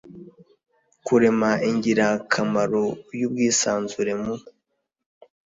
Kurema ingirakamaro y ubwisanzure mu